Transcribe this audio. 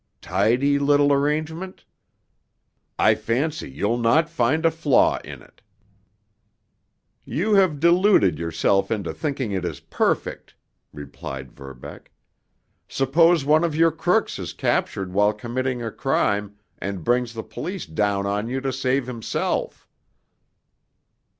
Tidy little arrangement? I fancy you'll not find a flaw in it." "You have deluded yourself into thinking it is perfect," replied Verbeck. "Suppose one of your crooks is captured while committing a crime, and brings the police down on you to save himself?"